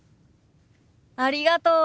ありがとう！